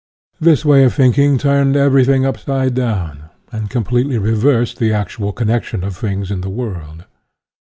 This way of thinking turned every thing upside down, and completely reversed the actual connection of things in the world.